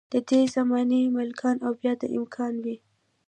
ددې زمانې ملکان او بیا دا ملکان وۍ وۍ.